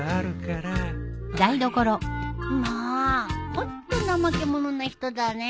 ホント怠け者な人だね。